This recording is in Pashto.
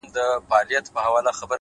او په وجود كي مي _